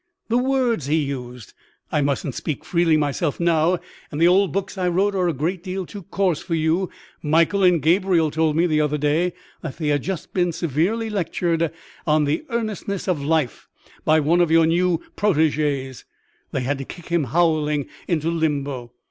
The words he used! I musn't speak freely myself now, and the old books I wrote are a great deal too coarse for you Michael and Gabriel told me the other day that they had just been severely lectured on the earnestness of life by one of your new protégés; they had to kick him howling into limbo.